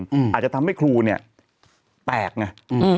อาจจะทำให้ครูเนี้ยแตกไงอืม